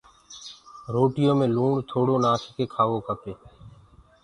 روٽيو مي لوڻ ٿوڙو نآکڪي کآئو